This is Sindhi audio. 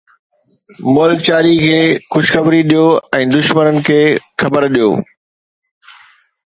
مئل چاري کي خوشخبري ڏيو ۽ دشمنن کي خبر ڏيو